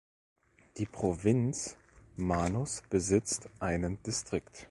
Die Provinz Manus besitzt einen Distrikt.